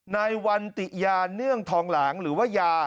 นายวันติยาเนื่องทองหลางหรือว่ายา